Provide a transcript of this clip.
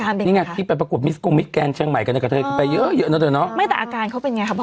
นี่ไงที่ไปปรากฏมิสกลุ้มมิสเอะแจนเชียงใหม่ของเธอไปเยอะหมดเลยเนอะ